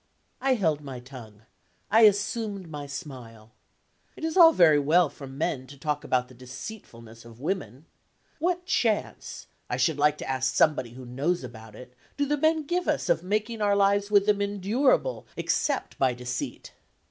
I held my tongue; I assumed my smile. It is all very well for men to talk about the deceitfulness of women. What chance (I should like to ask somebody who knows about it) do the men give us of making our lives with them endurable, except by deceit!